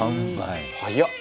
「早っ！」